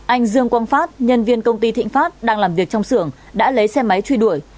anh dương quang phát nhân viên công ty thịnh pháp đang làm việc trong xưởng đã lấy xe máy truy đuổi